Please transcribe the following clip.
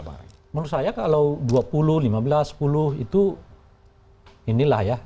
menurut saya kalau dua puluh lima belas sepuluh itu inilah ya